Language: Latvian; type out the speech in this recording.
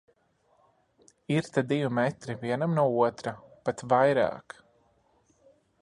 Ir te divi metri vienam no otra, pat vairāk.